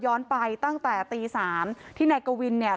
ไปตั้งแต่ตีสามที่นายกวินเนี่ย